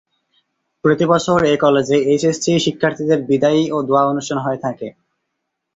প্রতিবছর এ কলেজে এইচএসসি শিক্ষার্থীদের বিদায়ী ও দোয়া অনুষ্ঠান হয়ে থাকে।